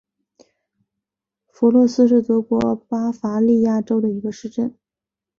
弗洛斯是德国巴伐利亚州的一个市镇。